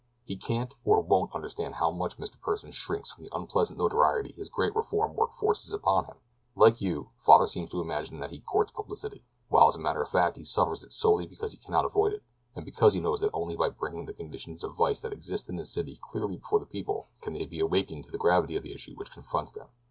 "He can't, or won't understand how much Mr. Pursen shrinks from the unpleasant notoriety his great reform work forces upon him. Like you, father seems to imagine that he courts publicity, while as a matter of fact he suffers it solely because he cannot avoid it, and because he knows that only by bringing the conditions of vice that exist in the city clearly before the people can they be awakened to the gravity of the issue which confronts them.